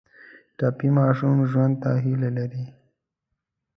ټپي ماشوم ژوند ته هیله لري.